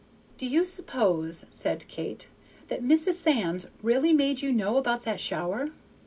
"Do you suppose," said Kate, "that Mrs. Sands really made you know about that shower?"